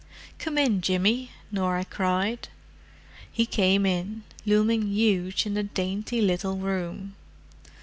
"Come in, Jimmy," Norah cried. He came in, looming huge in the dainty little room.